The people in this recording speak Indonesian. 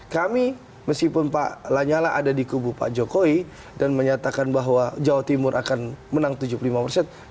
kami meskipun pak lanyala ada di kubu pak jokowi dan menyatakan bahwa jawa timur akan menang tujuh puluh lima persen